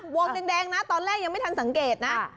วงแดงนะตอนแรกยังไม่ทันสังเกตนะ